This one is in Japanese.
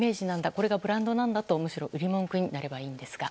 これがブランドなんだと売り文句になればいいのですが。